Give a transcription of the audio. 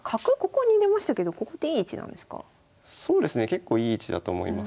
結構いい位置だと思います。